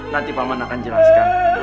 nanti pak man akan jelaskan